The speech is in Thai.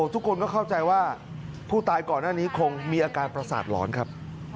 ทุกคนก็เข้าใจว่าผู้ตายก่อนหน้านี้คงมีอาการประสาทหลอนครับ